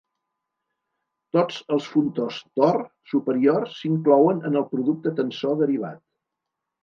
Tots els funtors Tor superiors s'inclouen en el producte tensor derivat.